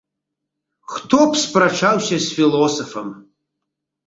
Хто б спрачаўся з філосафам!